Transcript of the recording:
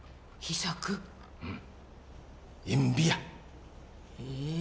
うん。